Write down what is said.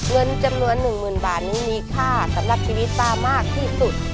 เงินจำนวน๑๐๐๐บาทนี้มีค่าสำหรับชีวิตป้ามากที่สุด